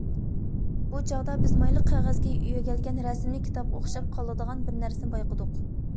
بۇ چاغدا بىز مايلىق قەغەزگە يۆگەلگەن رەسىملىك كىتابقا ئوخشاپ قالىدىغان بىر نەرسىنى بايقىدۇق.